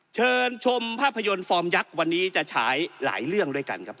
เชิญชมภาพยนตร์ฟอร์มยักษ์วันนี้จะฉายหลายเรื่องด้วยกันครับ